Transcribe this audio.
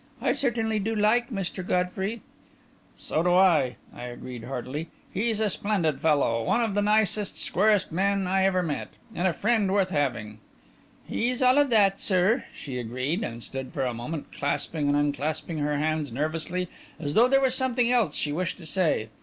I certainly do like Mr. Godfrey." "So do I," I agreed heartily. "He's a splendid fellow one of the nicest, squarest men I ever met and a friend worth having." "He's all of that, sir," she agreed, and stood for a moment, clasping and unclasping her hands nervously, as though there was something else she wished to say.